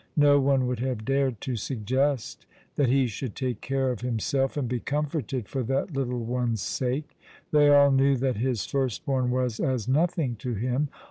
No one would have dared to suggest that he should take care of himself and be comforted for that little one's sake. They all knew that his firstborn was as nothing to him.